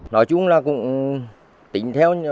nói chung là cũng tính theo